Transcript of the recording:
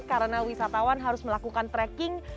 karena wisatawan harus melakukan trekking